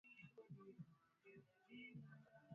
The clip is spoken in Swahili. Namna ya kuwakinga wanyama dhidi ya ugonjwa wa mashilingi